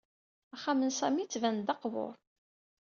Axxam n Sami yettban-d d aqbur.